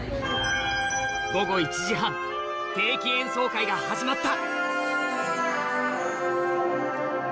午後１時半定期演奏会が始まった